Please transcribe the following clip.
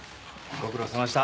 ご苦労さまでした。